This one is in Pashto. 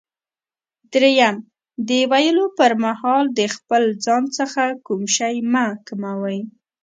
دریم: د ویلو پر مهال د خپل ځان څخه کوم شی مه کموئ.